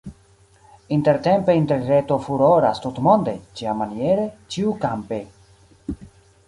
Intertempe Interreto furoras tutmonde, ĉiamaniere, ĉiukampe.